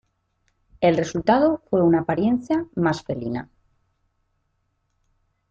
El resultado fue una apariencia más felina.